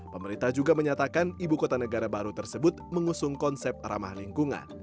pemerintah juga menyatakan ibu kota negara baru tersebut mengusung konsep ramah lingkungan